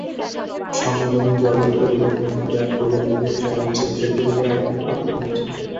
সম্মেলনে জলবায়ু পরিবর্তনে প্রজাতি কীভাবে সাড়া দিচ্ছে, বিষয়টির ওপর আলোকপাত করা হয়।